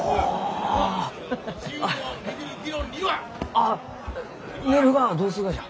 あっ寝るがはどうするがじゃ？